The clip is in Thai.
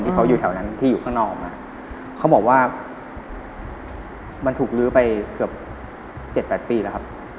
แต่ว่าตรงนี้เราเข้าไปแล้วไม่มีใครอยู่